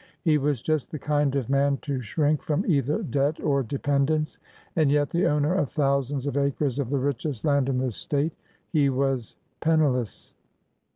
He was just the kind of man to shrink from either debt or dependence. And yet— the owner of thousands of acres of the richest land in the State — he was penniless.